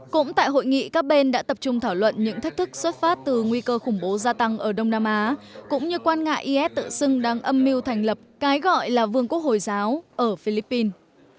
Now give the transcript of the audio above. cũng tại hội nghị các bên đã tập trung thảo luận những thách thức xuất phát từ nguy cơ khủng bố gia tăng ở đông nam á cũng như quan ngại is tự xưng đang âm mưu thành lập cái gọi là vương quốc hồi giáo ở philippines